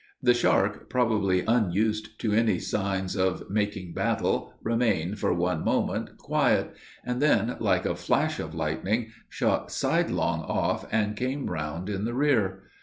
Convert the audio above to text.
The shark, probably unused to any signs of making battle, remained, for one moment, quiet; and then, like a flash of lightning, shot sidelong off, and came round in the rear.